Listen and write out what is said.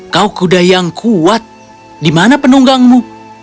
kau kuda yang kuat di mana penunggangmu